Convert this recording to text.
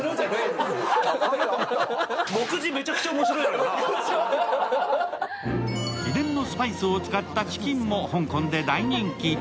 秘伝のスパイスを使ったチキンも香港で大人気。